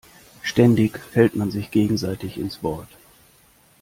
Ständig fällt man sich gegenseitig ins Wort.